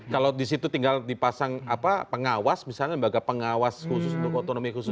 kalau di situ tinggal dipasang pengawas misalnya lembaga pengawas khusus untuk otonomi khusus